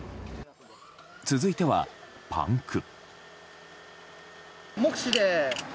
続いては、パンク。